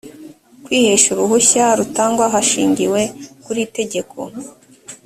kwihesha uruhushya rutangwa hashingiwe kuri iri tegeko